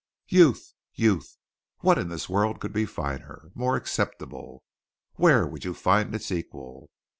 "Youth! Youth! What in this world could be finer more acceptable! Where would you find its equal?